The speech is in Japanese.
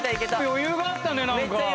余裕があったねなんか。